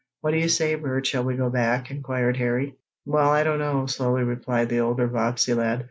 "What do you say, Bert, shall we go back?" inquired Harry. "Well, I don't know," slowly replied the older Bobbsey lad.